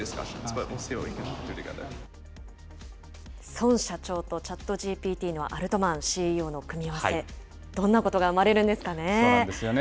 孫社長とＣｈａｔＧＰＴのアルトマンＣＥＯの組み合わせ、そうなんですよね。